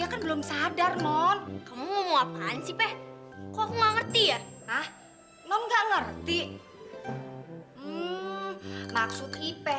kan belum sadar non kamu ngomong apaan sih peh kok ngerti ya hah nggak ngerti maksud ipeh